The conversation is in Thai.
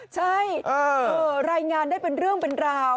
ใช่รายงานได้เป็นเรื่องเป็นราว